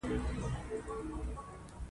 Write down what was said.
هغه یوه ډیره لویه ګازره خوړله او شاوخوا یې کتل